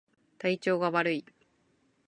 体調が悪い